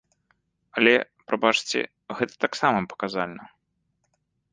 Але, прабачце, гэта таксама паказальна.